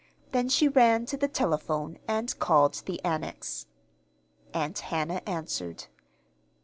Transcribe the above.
Then she ran to the telephone and called the Annex. Aunt Hannah answered.